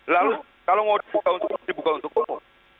lalu kalau mau dibuka untuk dibuka untuk umum